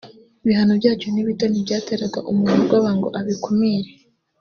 ibihano byacyo ni bito ntibyateraga umuntu ubwoba ngo abikumire